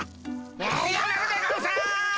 やめるでゴンスっ！